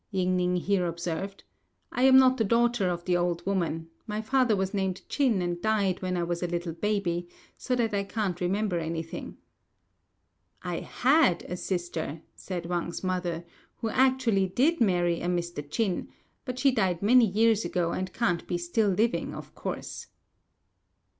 Ying ning here observed, "I am not the daughter of the old woman; my father was named Ch'in and died when I was a little baby, so that I can't remember anything." "I had a sister," said Wang's mother, "who actually did marry a Mr. Ch'in, but she died many years ago, and can't be still living, of course."